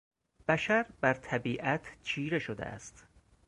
بشر بر طبیعت چیره شده است.